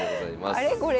あれこれ